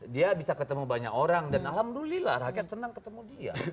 dia bisa ketemu banyak orang dan alhamdulillah rakyat senang ketemu dia